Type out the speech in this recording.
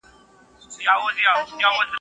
o له عالمه سره غم، نه غم.